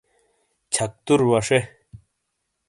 چھکتُر وَشے۔